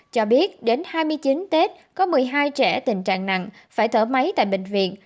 cho biết đến hai mươi chín tết có một mươi hai trẻ tình trạng nặng phải thở máy tại bệnh viện